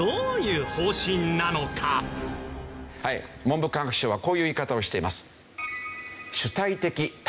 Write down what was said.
文部科学省はこういう言い方をしています。